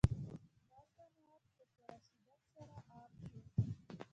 دا صنعت په پوره شدت سره عام شو